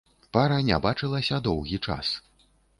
Пара не бачылася доўгі час.